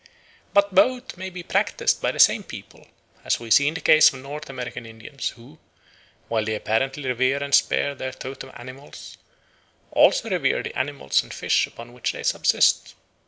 But both may be practised by the same people, as we see in the case of the North American Indians, who, while they apparently revere and spare their totem animals, also revere the animals and fish upon which they subsist.